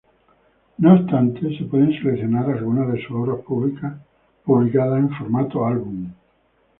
No obstante, se pueden seleccionar algunas de sus obras publicadas en formato álbum.